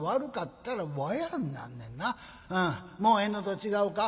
もうええのと違うか？